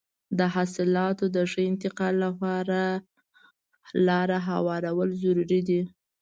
د حاصلاتو د ښه انتقال لپاره لاره هوارول ضروري دي.